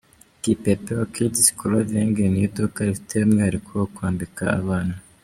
Kipepeo Kids Clothing ni iduka rifite umwihariko wo kwambika abana.